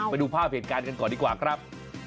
ไปดูภาพเหตุการณ์กันก่อนดีกว่าครับ